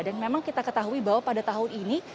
dan memang kita ketahui bahwa pada tahun ini